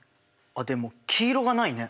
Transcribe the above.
あっでも黄色がないね。